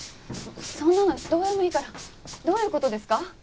そんなのどうでもいいからどういう事ですか？